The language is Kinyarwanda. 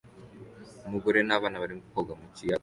Umugore n'abana barimo koga mu kiyaga